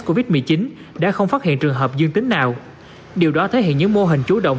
covid một mươi chín đã không phát hiện trường hợp dương tính nào điều đó thể hiện những mô hình chủ động